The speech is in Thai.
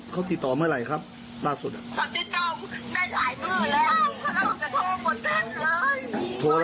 เขาติดต่อเมื่อไหร่ครับล่าสุดได้ถ่ายเมื่อแล้วเพราะเราจะโทรหมดแน่นเลย